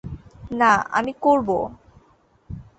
না, আমি করব।